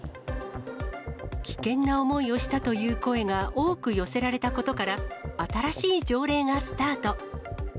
危険な思いをしたという声が多く寄せられたことから、新しい条例がスタート。